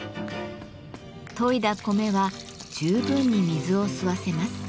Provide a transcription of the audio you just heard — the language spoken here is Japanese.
研いだ米は十分に水を吸わせます。